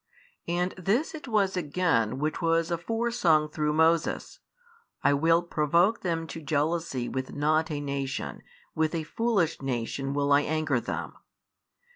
And this it was again which was afore sung through Moses, I will provoke them to jealousy with not a nation, with a foolish nation will I anger them.